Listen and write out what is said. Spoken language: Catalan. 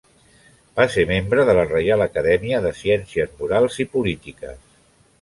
Va ser membre de la Reial Acadèmia de Ciències Morals i Polítiques.